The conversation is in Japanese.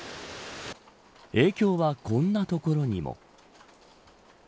影響はこんなところにも。